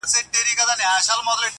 پسرلي راڅخه تېر سول، پر خزان غزل لیکمه؛